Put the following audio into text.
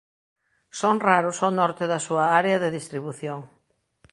Son raros ó norte da súa área de distribución.